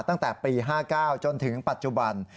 ตั้งแต่ปี๕๙จนถึงปัจจุบัน